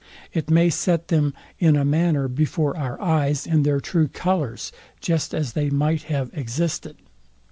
It may set them, in a manner, before our eyes in their true colours, just as they might have existed.